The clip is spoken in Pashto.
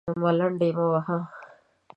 _ملنډې مه وهه!